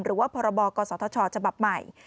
หรือว่าพรบกศธชฉบับใหม่